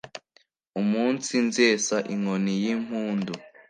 umunsi nzesa inkoni y’impundu